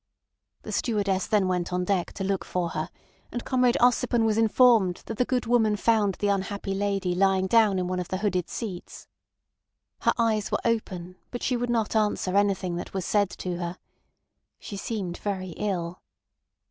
The stewardess then went on deck to look for her, and Comrade Ossipon was informed that the good woman found the unhappy lady lying down in one of the hooded seats. Her eyes were open, but she would not answer anything that was said to her. She seemed very ill.